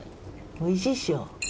おいしいっしょ。